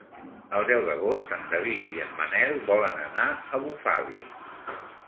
El deu d'agost en David i en Manel volen anar a Bufali.